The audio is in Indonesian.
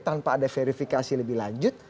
tanpa ada verifikasi lebih lanjut